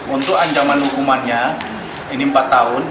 untuk ancaman hukumannya ini empat tahun